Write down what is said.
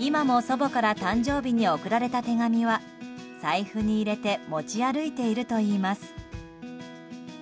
今も、祖母から誕生日に贈られた手紙は財布に入れて持ち歩いているといいます。